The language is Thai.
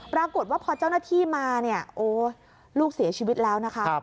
ปรากฏว่าพอเจ้าหน้าที่มาเนี่ยโอ้ลูกเสียชีวิตแล้วนะคะ